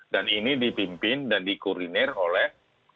dan ini dipimpin dan dikurir oleh